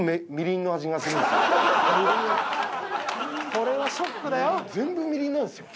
これはショックだよ。